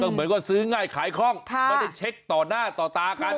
ก็เหมือนกว่าซื้อง่ายขายข้องค่ะก็ได้เช็คต่อหน้าต่อตากัน